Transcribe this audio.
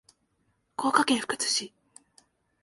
福岡県福津市